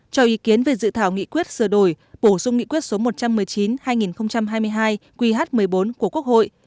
cho ý kiến về dự thảo nghị quyết sửa đổi bổ sung nghị quyết số một trăm một mươi chín hai nghìn hai mươi hai qh một mươi bốn của quốc hội